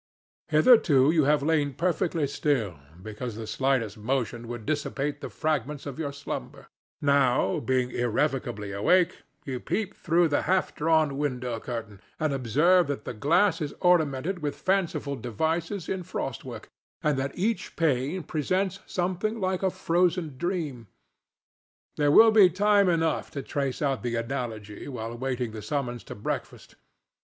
Hitherto you have lain perfectly still, because the slightest motion would dissipate the fragments of your slumber. Now, being irrevocably awake, you peep through the half drawn window curtain, and observe that the glass is ornamented with fanciful devices in frost work, and that each pane presents something like a frozen dream. There will be time enough to trace out the analogy while waiting the summons to breakfast.